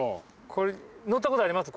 乗ったことあります？